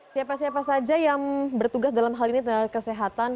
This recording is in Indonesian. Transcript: siapa siapa saja yang bertugas dalam hal ini tenaga kesehatan